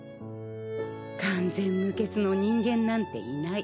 完全無欠の人間なんていない。